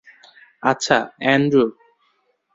আচ্ছা, অ্যান্ড্রু।